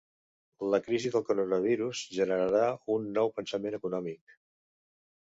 La crisi del coronavirus generarà un nou pensament econòmic.